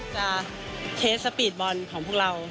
เคสสปีดบอลของพวกเรา